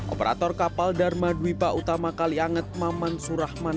operator kapal dharma dwipa utama kalianget maman surahman